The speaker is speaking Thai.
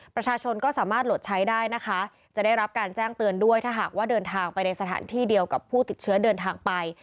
ประชาชนก็สามารถหลดใช้ได้นะคะจะได้รับการแจ้งเตือนด้วยถ้าหากว่าเดินทางไปในสถานที่เดียวกับผู้ติดเชื้อเดินทางไป